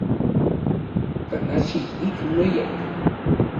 Kanachi ik ueyak.